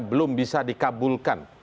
belum bisa dikabulkan